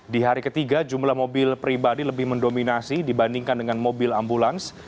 di hari ketiga jumlah mobil pribadi lebih mendominasi dibandingkan dengan mobil ambulans